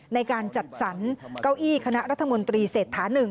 ในการจัดสรรเก้าอี้คณะรัฐมนตรีเศรษฐา๑